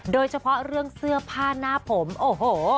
โดยเฉพาะเรื่องเสื้อผ้าหน้าผมโอ้โห